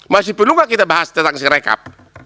masih perlu enggak kita bahas tentang si rekap